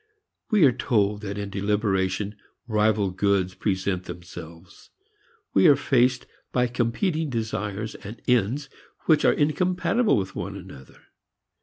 We are told that in deliberation rival goods present themselves. We are faced by competing desires and ends which are incompatible with one another.